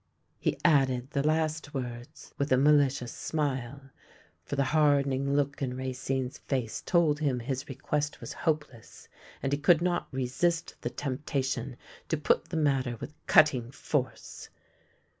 He added the last words 26 THE LANE THAT HAD NO TURNING with a malicious smile, for the hardening look in Ra cine's face told him his request was hopeless, and he could not resist the temptation to put the matter with cutting force.